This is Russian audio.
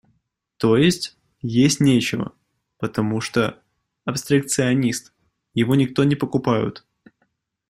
То есть, есть нечего, потому что – абстракционист, его никто не покупают.